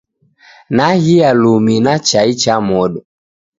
Nahia lumi na chai cha modo